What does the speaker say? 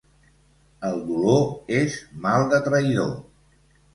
El dolor és mal de traïdor.